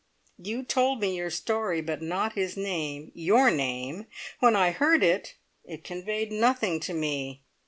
You told me your story, but not his name your name! When I heard it, it conveyed nothing to me.